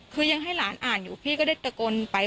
คือยังให้หลานอ่านอยู่พี่ก็ได้ตะโกนไป